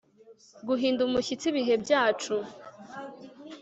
guhinda umushyitsi ibihe byacu